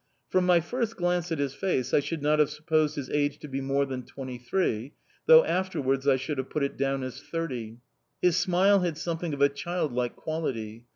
From my first glance at his face I should not have supposed his age to be more than twenty three, though afterwards I should have put it down as thirty. His smile had something of a child like quality.